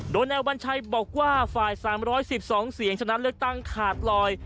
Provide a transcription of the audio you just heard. โดยแนวบัญชัยบอกว่าฝ่าย๓๑๒เสียงชนะเลือกตั้งขาดลอย